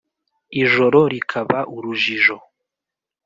ijoro rikaba urujijo